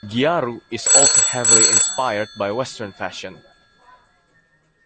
"Gyaru" is also heavily inspired by Western fashion.